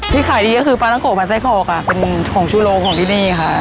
ที่ขายดีก็คือปลาท่องโกะพลาดไส้กอกค่ะเป็นของชุโรงของที่นี่ค่ะ